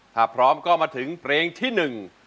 ถ้าพร้อมก็มาถึงเพลงที่หนึ่ง